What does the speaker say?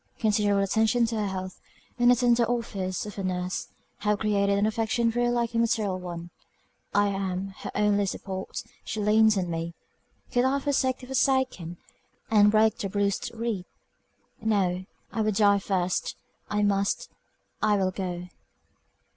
Continual attention to her health, and the tender office of a nurse, have created an affection very like a maternal one I am her only support, she leans on me could I forsake the forsaken, and break the bruised reed No I would die first! I must I will go."